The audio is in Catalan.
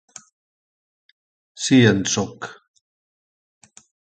Si en sóc...